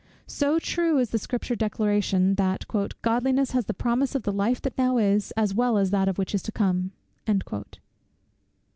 So true is the Scripture declaration, that "Godliness has the promise of the life that now is, as well as of that which is to come."